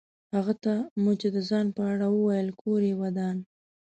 هغه ته مو چې د ځان په اړه وویل کور یې ودان.